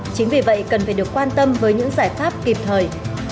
chính vì vậy cần phải được quan tâm với những giải pháp kịp thời